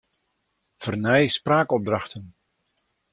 Fernij spraakopdrachten.